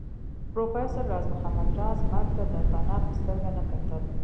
پروفېسر راز محمد راز مرګ ته د فناء په سترګه نه کتل